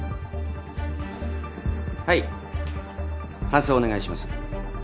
搬送お願いします。